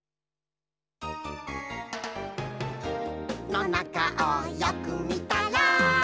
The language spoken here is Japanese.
「の中をよくみたら」